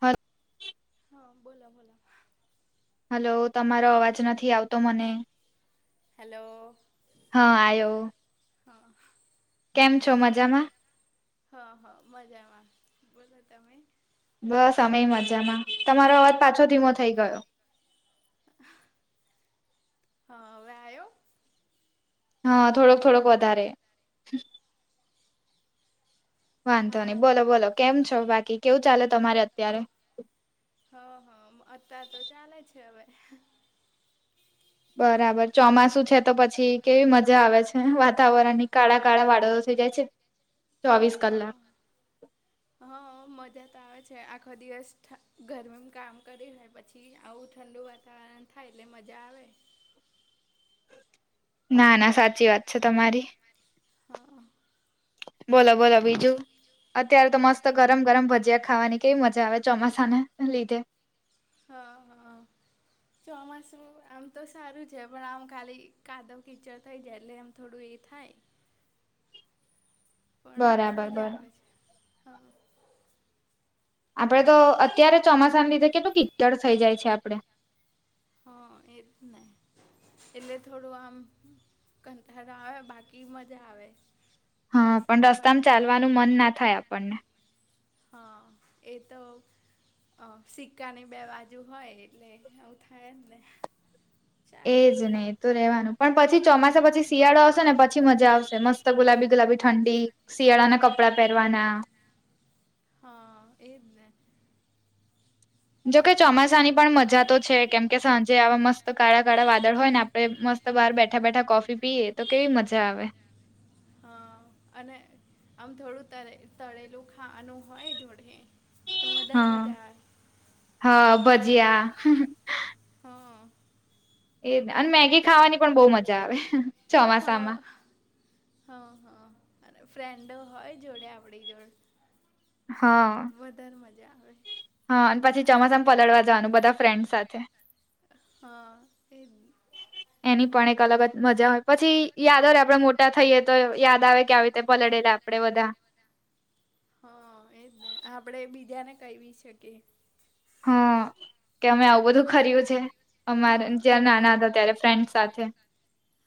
હા. હા બોલો બોલો. હાલો, તમારો અવાજ નથી આવતો મને. હાલો, હા આવ્યો હા. કેમ છો મજામાં હ હા મજામાં, બોલો તમે? બસ અમે ય મજામાં તમારો અવાજ પાછો ધીમો થઇ ગયો. હા અવે આયો હ થોડોક થોડોક વધારે વાંધો હા નઈ બોલો હા બોલો કેમ છો બાકી કેવું ચાલે તમારે અત્યારે? હ હ અત્યારે તો ચાલે છે, અવે બરાબર ચોમાસુ છે, તો પછી કેવી મજા આવે છે, વાતાવરણની કાળા કાળા વાદળો થઈ જાય છે. ચોવીસ હ. કલાક હ મજા તો આવે છે, આખો દિવસ થ ગરમી કામ કરી પછી આવું ઠંડુ વા તાવરણ થાય એટલે મજા આવે ના ના સાચી વાત છે, તમારી હ. બોલો બોલો બીજું અ અત્યારે તો મસ્ત ગરમ ગરમ ભજીયા ખાવાની કેવી મજા આવે ચોમાસાને લીધે હ હ. ચોમાસું આમ તો સારું છે, પણ આમ ખાલી કાદવ કીચડ થઈ જાય એટલે એમ થોડું એ થાય પણ બરાબર મજા બરાબર આવે છે, હા આપડે તો અત્યારે ચોમાસાના લીધે કેટલું કીચડ થઇ જાય છે, આપડે હ એ જ ને એટલે થોડું આમ કંંટાળ આવે બાકી મજા આવે હ પણ વરસાદ પડે રસ્તામાં ને ચાલવાનું મન ના થાય આપણને હા એ તો અ સિક્કાની બે બાજુ હોય એટલે આવું થાય જ ને ચાલે એજ ને એ તો રેવાનું પણ પછી ચોમા પછી શિયાળો આવશે ને પછી મજા આવશે મસ્ત ગુલાબી ગુલાબી ઠંડી શિયાળાના કપડા પહેરવાના હ એજ ને જોકે ચોમાસાની પણ મજા તો છે, કેમ કે સાંજે આવા મસ્ત કાળા કાળા વાદળ હોય ને આપડે મસ્ત બહાર બેઠા બેઠા કોફી પીએ તો કેવી મજા આવે હ અને આમ થોડું તરે તળેલું ખાવાનું હોય જોડે તો મદર મજા આવે હ ભજીયા હ. એજ ને અને મેગી ખાવાની પણ બો મજા આવે ચોમાસામાં હ હ અને ફ્રેન્ડો હોય જોડે આપડી જો તો વધાર મજા આવેે હ અને પછી ચોમાસા પલળવા જવાનું બધા ફ્રેન્ડ સાથે હા એ એની પણ એક અલગ જ મજા હોય પછી યાદ હોય રે આપડે મોટા થઈએ તો યાદ આવે કે આવી રીતે પલળેલા આપડે બધા હ એજ ને આપડે બીજાને કહી બી શકીએ હ કે અમે આવું બધું કર્યું છે, અમારે હા. જયારે નાના હતા ત્યારે ફ્રેન્ડ સા થે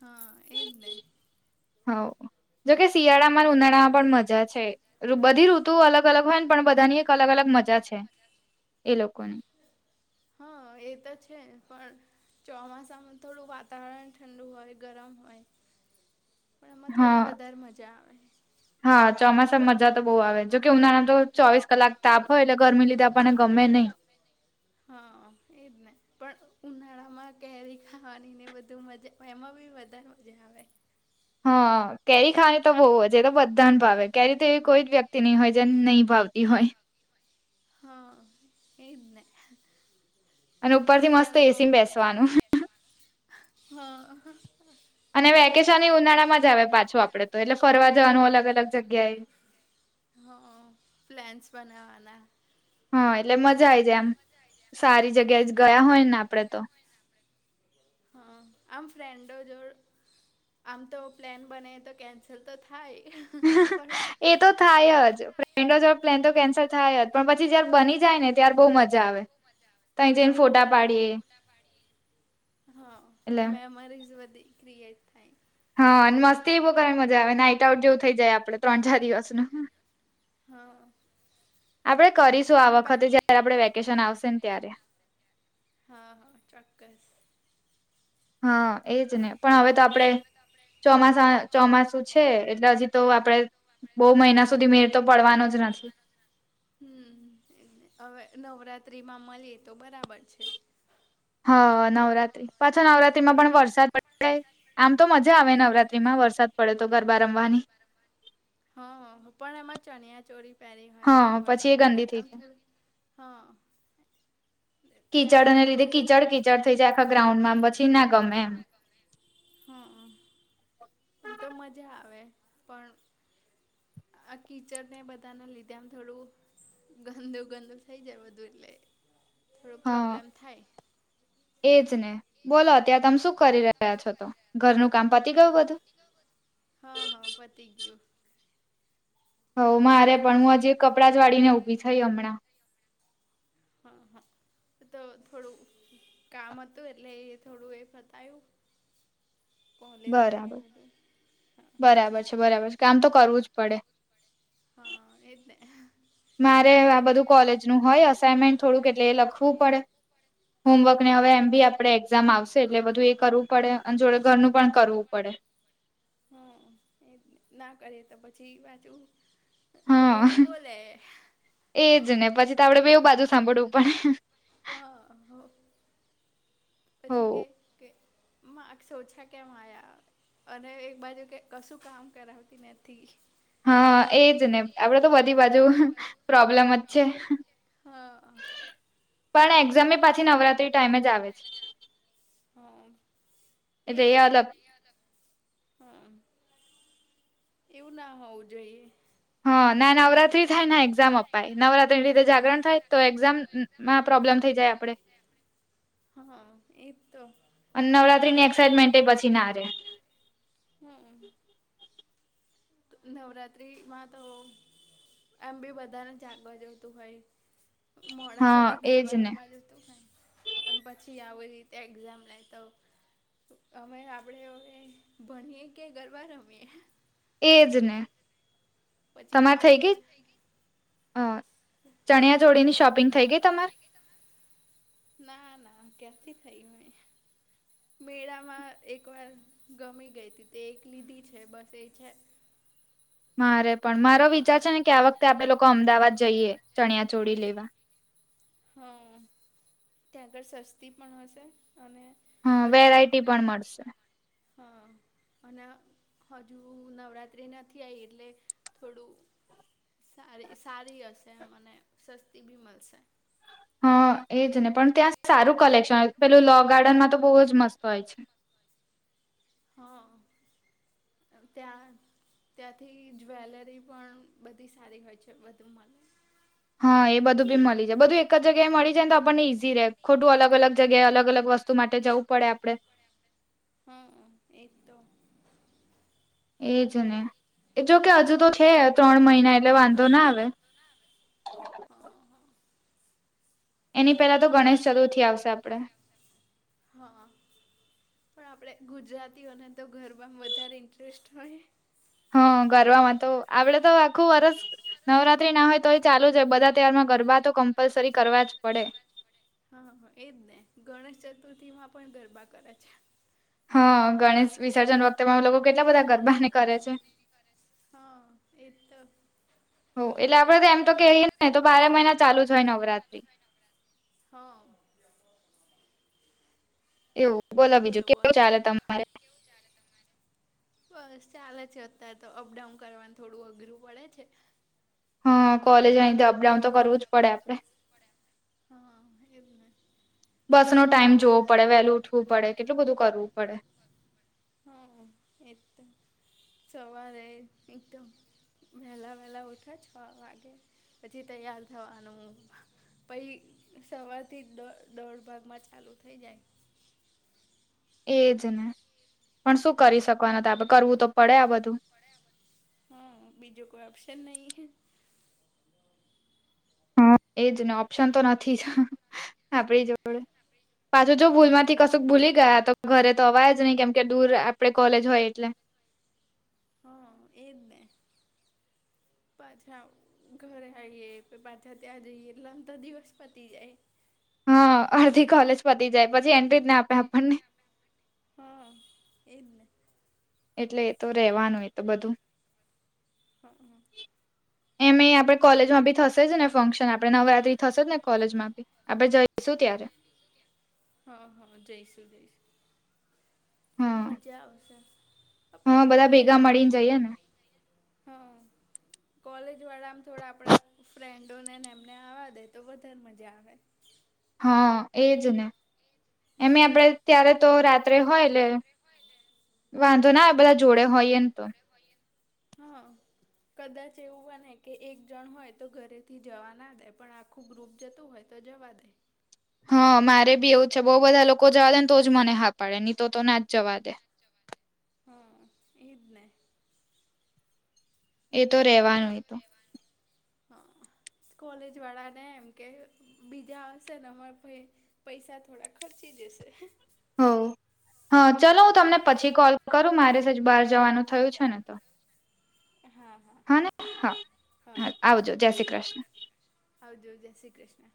હ એજ ને હઉ જોકે શિયાળામાં ઉનાળામાં પણ મજા છે. બધી ઋતુ અલગ અલગ હોય ને પણ બધાની એક અલગ અલગ મજા છે, એ લોકોની હા એ તો છે, પણ ચોમાસામાં થોડું વાતાવરણ ઠંડુ હોય ગરમ હોય પણ એમાં થોડી હા વધારે મજા આવે હા ચોમાસામાં મજા તો બો આવે જોકે ઉનાળામાં તો ચોવીસ કલાક તાપ હોય એટલે ગરમીને લીધે આપણને ગમે નહી. હહ એજ ને. પણ ઉનાળામાં કેરી ખાવાની ને એ બધું મજા એમાં બી વધારે મજા આવે. હહ કેરી ખાવાની તો બહુ જ. એ તો બધાને ભાવે કેરી તો એવી કોઈ જ વ્યક્તિ નહી હોય જેને નહીં ભાવતી હોય. હહ એજ ને. અને ઉપરથી મસ્ત એસીમાં શિયાળામાં બેસવાનું [inaudible] હહ અને વેકેશને ઉનાળામાં જ આવે પાછું આપડે તો. એટલે ફરવા જવાનું અલગ અલગ જગ્યાએ. હહ પ્લેન્સ બનાવાના. હા એટલે મજા આઈ જાય આમ. સારી જગ્યાએ જ ગયા હોય ને આપડે તો. હહ આમ ફ્રેન્ડો જોડ આમ તો પ્લેન બનાઈએ તો કેન્સલ તો થાય. પણ એ તો થાય જ. ફ્રેન્ડો જોડે પ્લેન તો કેન્સલ થાય જ પણ પછી જયારે બની જાય ને ત્યારે બહુ મજા આવે. તાઈ જઈને ફોટા પાડીએ. હહ એટલે મેમરીઝ બધી ક્રિએટ થાય. હહ અને મસ્તીએ બહુ કરવાની મજા આવે. નાઈટ આઉટ જેવું થઇ જાય આપડે ત્રણ ચાર દિવસનું. હહ આપડે કરીશું આ વખતે જયારે આપડે વેકેશન આવશે ને ત્યારે. હા હા ચોક્કસ. હા એજ હા ને. પણ હવે તો આપડે ચોમાસામાં ચોમાસું છે એટલે હજી તો આપડે બહુ મહિના સુધી મેડ તો પડવાનો જ નથી. હમ એજ ને. હવે નવરાત્રીમાં મલીએ તો બરાબર છે. હહ નવરાત્રી પાછો નવરાત્રીમાં પણ વરસાદ [inaudible] આમ તો મજા આવે નવરાત્રીમાં વરસાદ પડે તો ગરબા રમવાની. હહ પણ એમાં ચણિયાચોળી પહેરી હોય હા અને પછી વરસાદ એ પડે ગંદી તો થઈ આમ જાય થોડું હહ કીચડ ને લીધે કીચડ કીચડ થઈ જાય આખા ગ્રાઉન્ડમાં પછી ના ગમે એમ. હહ અ એમ તો મજા આવે. પણ આ કીચડને બધાને લીધે આમ થોડું ગંદુ ગંદુ થઇ જાય બધું એટલે થોડો હા પ્રોબ્લેમ થાય. એજ ને. બોલો અત્યારે તમે શું કરી રહ્યા છો તો? ઘરનું કામ પતી ગયું બધું? [inaudible] હહ હહ પતી ગયું હોવ મારે પણ. હું હજી કપડાં જ વાળીને ઊભી થઈ હમણાં. હહ હહ ઈ તો થોડું કામ હતું એટલે એ થોડું એ પતાયું. કોલેજનું ને બરાબર. એ બધું હા બરાબર છે બરાબર છે કામ તો કરવું જ પડે. હહ એજ ને. મારે ના આ કરીએ બધું તો કોલેજનું હોય અસાઈનમેન્ટ થોડુંક એટલે એ લખવું પડે. હા હોમવર્કને હવે એમ બી આપડે એક્ઝામ આવશે એટલે બધું એ કરવું પડે. અન જોડે ઘરનું પણ કરવું પડે. હહ એજ ને. ના કરીએ તો પછી વાંચવું. હા ઘરેથી બોલે એજ ને. પછી તો આપડે બેવું બાજુ સાંભળવું પડે. હહ હો. હો. પછી કે કે માર્ક્સ ઓછા કેમ આયા. અને એક બાજુ કે કશું કામ કરાવતી નથી. હા એજ ને આપડે તો બધી બાજુ પ્રોબ્લમ જ છે. હહ પણ એક્ઝામ બી પાછી નવરાત્રી ટાઈમે જ આવે છે. હા એ એટલે એ અલગ [inaudible] હા [inaudible] એવું ના હોવું જોઈએ. હા ના નવરાત્રી થાય ના એક્ઝામ અપાય નવરાત તે દિવસે જાગરણ થાય તો એક્ઝામ માં પ્રોબ્લેમ થઈ જાય આપડે હા એ તો અને નવરાત્રીની એક્સાઇટમેન્ટ પછી ના રે હમ્મ. નવરાત્રીમાં તો [inaudible] એમ બી બધાને જાગવા જોઈતું હોય મોળા હા સુધી એજ ઘરબા ને રમવા જતો હોય અને પછી આવી રીતે એક્ઝામ લેતો અમે આપણેે હવે ભણિએ કે ગરબા રમીએ એજ ને પછી તમાર થઈ માર્ક્સ ગઈ ઓછા અ ચણિયા ચોળિની શોપિંગ થઈ ગઈ તમાર ના ના ક્યાંથી થઈ હોય મેળામાં એક વાર ગમી ગઈ હતી તે એક લીધી છે બસ એ છે. મારે પણ મારો વિચાર છે ને કે આ વખતે આપણે લોકો અમદાવાદ જઈએ ચણિયા ચોળી લેવા હા ત્યાં આગળ સસ્તી પણ હશે અને હજુ વેરાયટી પણ હોય હા અને હજુ નવરાત્રિ નથી આઈ એટલે થોડું સારી સારી હશે મને સસ્તી બી મલશે. હા એજ ને પણ ત્યાં સારું કલેક્શન પેલું લો ગાર્ડનમાં તો બહુ જ મસ્ત હોય છે. હા ત્યાં ત્યાંથી જ્વેલરી પણ બધી સારી હોય છે બધું મલે હા એ બધું બી મલી જાય બધું એક જગ્યાએ મળી જાય ને તો આપણને ઈઝી રહે ખોટું અલગ અલગ જગ્યાએ અલગ અલગ વસ્તુ માટે જવું પડે આપણે હા એ તો એજ ને એ જો કે હજુ તો છે ત્રણ મહિના એટલે વાંધો ના આવે હા હવે [unintelligible] એની પહેલા તો ગણેશ ચતુર્થી આવશે આપણે [inaudible] હા હા પણ આપણે ગુજરાતીઓને તો ગરબામાં વધારે ઇન્ટરેસ્ટ હોય હા ગરબામાં તો આપડે તો આખું વરષ નવરાત્રી ના હોય તોએ ચાલુ જ હોય બધા તહેવારમાં ગરબા તો કમ્પલસરી કરવા જ પડે. હા હ એજ ને ગણેશ ચતુર્થી માં પણ ગરબા કરે છે. હા ગણેશ વિસર્જન વખતે લોકો કેટલા બધા ગરબાને કરે છે. હા એજ તો હઓ એટલે આપડે તો એમ તો કય ને તો બારે મહિના ચાલુ જ હોય નવરાત્રી હા [inaudible] એવું બોલો બીજું કેવું ચાલે તમારે બસ ચાલે છે અત્યારે તો અપડાઉન કરવાનું થોડું અઘરું પડે છે હા કોલેજ આઈ ન જોબ કોલેજ આવી જોબ જાઉં તો પડે હા એજ ને બસ નો ટાઈમ જોવો પડે વહેલું ઉઠવું પડે કેટલું બધું કરવું પડે. હા એ તો સવારે એકદમ વહેલા વહેલા ઉઠે છ વાગે પછી તૈયાર થવાનું પહિ સવારથી દો દોઢ ભાગમાં ચાલુ થઈ જાય એજ ને પણ શું કરી શકવાના હતા કરવું તો પડે આ બધું મળ્યા હા બીજું કોઈ ઓપ્શન નહી. હા એજ ને ઓપ્શન તો નથી જ આપડી જોડે પાછું જો ભૂલ માંથી હમ કશુંક ભૂલી ગયા તો ઘરે તો અવાય જ નહી કેમ કે દૂર આપણે કોલેજ હોય એટલે હમ્મ એજ ને પાછા આવુ ઘરે આવીએ પાછા ત્યાં જઈએ એટલે આમ તો દિવસ પતી જાય હા અડધી કોલેજ પતી જાય પછી એન્ટ્રીના આપે આપણને હ એજને એટલે એ તો રેવાનું એ તો બધું હ હ. એમ એ આ આપડે કોલેજમાં બી થશે જ ને ફંક્શન આપણે નવરાત્રી થશે જ ને કોલેજમાં બી આપણે જઈશું ત્યારે હ હ જયશું જયશું મજા આવશે હ પણ બધા ભેગા કોલેજવાળા મળીને જઈએ ને હા કોલેજવાળા આમ થોડા આપણાં ફ્રેન્ડોને ને એમને આવા દે તો વધારે મજા આવે હ એજ ને એમે આપડે ત્યારે તો રાત્રે હોય એટલે વાંધો ના બધા જોડે હોય એન તો હ. કદાચ એવું બને કે એક જણ હોય તો ઘરેથી જવા ના દે પણ આખું ગ્રુપ જતું હોય ત જવા દેય હ મારે બી એવું છે, બો બધા લોકો જવા દે ને તોજ મને હા પાડે ની તો તો ના જ જવા દે હ એજને એ તો રહેવાનું એતો હ કોલેજવાળા ને એમ કે બીજા આવશે ને અમારા પહી પૈસા થોડા ખર્ચી જશે હોવ હા ચલો હું તમને પછી કોલ કરું મારે બહાર જવાનું થયું છે, ને તો હા ને હા હા આવજો જય શ્રી કૃષ્ણ. આવજો જય શ્રી કૃષ્ણ.